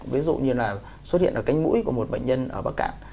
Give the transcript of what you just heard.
ví dụ như là xuất hiện ở cánh mũi của một bệnh nhân ở bắc cạn